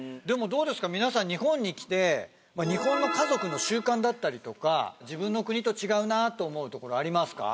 どうですかみなさん日本に来て日本の家族の習慣だったりとか自分の国と違うなと思うところありますか？